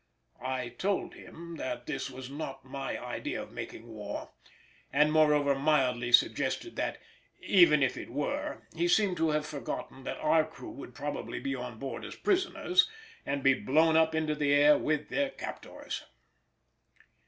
I told him that this was not my idea of making war, and moreover mildly suggested that, even if it were, he seemed to have forgotten that our crew would probably be on board as prisoners and be blown up into the air with their captors.